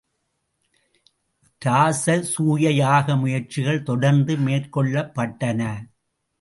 இராசசூய யாக முயற்சிகள் தொடர்ந்து மேற் கொள்ளப் பட்டன.